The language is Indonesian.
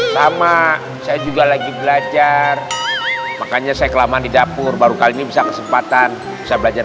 sama saya juga lagi belajar makanya saya kelamaan di dapur baru kali ini bisa kesempatan bisa belajar